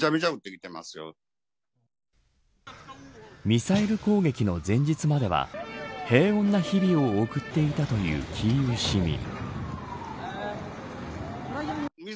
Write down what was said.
ミサイル攻撃の前日までは平穏な日々を送っていたというキーウ市民。